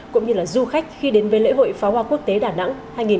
cũng như là du khách khi đến với lễ hội phá hoa quốc tế đà nẵng hai nghìn hai mươi ba